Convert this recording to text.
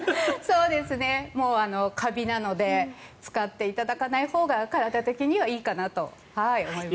もうカビなので使っていただかないほうが体的にはいいかなと思います。